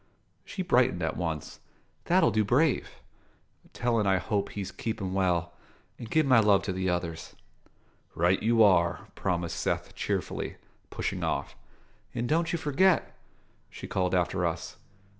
She brightened at once. "That'll do brave. Tell 'en I hope he's keepin' well, and give my love to the others." "Right you are," promised Seth cheerfully, pushing off. "And don't you forget!" she called after us.